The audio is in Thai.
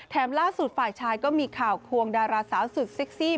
ล่าสุดฝ่ายชายก็มีข่าวควงดาราสาวสุดเซ็กซี่